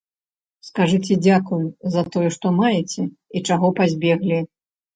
Скажыце дзякуй, за тое, што маеце і чаго пазбеглі.